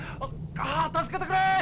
ああ助けてくれ！